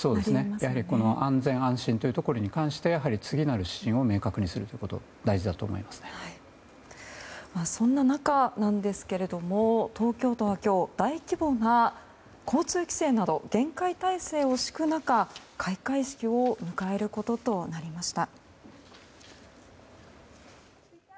やはり安心・安全というところに関してやはり次なる指針を明確にすることがそんな中なんですが東京都は今日大規模な交通規制など厳戒態勢を敷く中、開会式を迎えることとなりました。